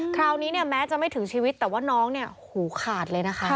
คราวนี้แม้จะไม่ถึงชีวิตแต่ว่าน้องหูขาดเลยนะคะ